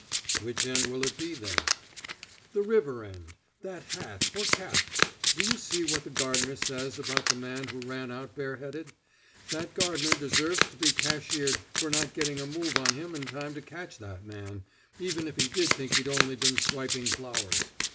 "Which end will it be, then?" "The river end. That hat, or cap. Do you see what the gardener says about the man who ran out bareheaded? That gardener deserves to be cashiered for not getting a move on him in time to catch that man, even if he did think he'd only been swiping flowers.